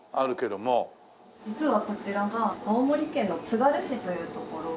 実はこちらが青森県のつがる市という所が。